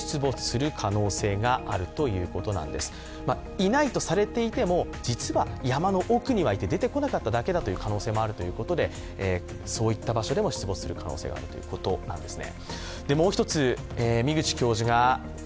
いないとされていても、実は山の奥にはいて出てこなかっただけだという可能性もあるということでそういった場所でも出没する可能性があるということなんですね。